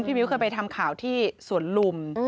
มิ้วเคยไปทำข่าวที่สวนลุม